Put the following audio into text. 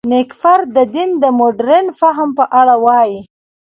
نېکفر د دین د مډرن فهم په اړه وايي.